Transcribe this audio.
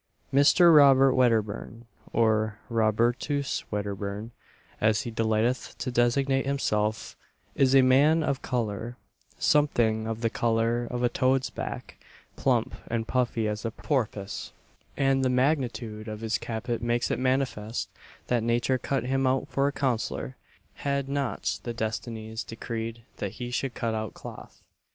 Mr. Robert Wedderburn or Robertus Wedderburn, as he delighteth to designate himself, is a man of colour something of the colour of a toad's back, plump and puffy as a porpoise, and the magnitude of his caput makes it manifest that nature cut him out for a counsellor, had not the destinies decreed that he should cut out cloth.